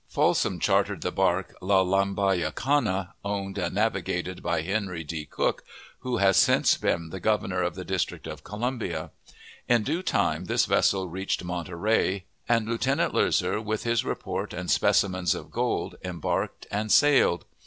Folsom chartered the bark La Lambayecana, owned and navigated by Henry D. Cooke, who has since been the Governor of the District of Columbia. In due time this vessel reached Monterey, and Lieutenant Loeser, with his report and specimens of gold, embarked and sailed.